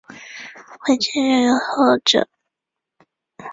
回京任谒者。